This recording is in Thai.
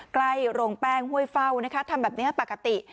ใกล้โรงแป้งห้วยเฝ้าทำแบบนี้ปกติ